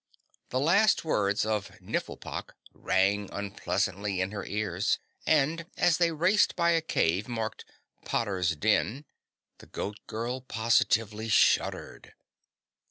The last words of Nifflepok rang unpleasantly in her ears and as they raced by a cave marked "Potters Den" the Goat Girl positively shuddered.